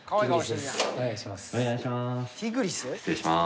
お願いします